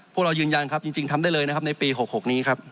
พวกเรายืนยันจริงทำได้เลยในปี๖๖นี้